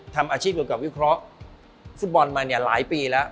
ทำอาชีพกับวิเคราะห์ฟุตบอลมาหลายปีแล้ว